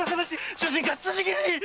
主人が辻斬りに！